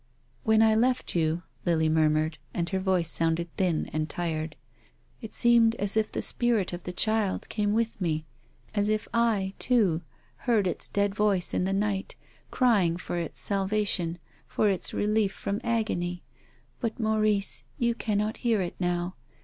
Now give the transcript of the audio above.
" When I left you," Lily murmured, and her voice sounded thin and tired, " it seemed as if the spirit of the child came with me, as if I, too, heard its dead voice in the night, crying for its salvation, for its relief from agony. But, Maurice, you can not hear it now.